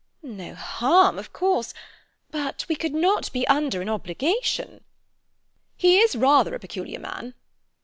"No harm, of course. But we could not be under an obligation." "He is rather a peculiar man."